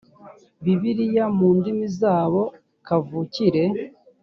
bibiliya mu ndimi zabo kavukire